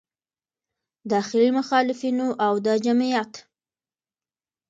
داخلي مخالفینو او د جمعیت